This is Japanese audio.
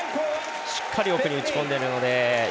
しっかり奥に打ち込んでるので尹